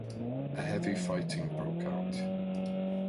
A heavy fighting broke out.